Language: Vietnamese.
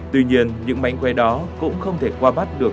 tuy nhiên những mảnh que đó cũng không thể qua bắt được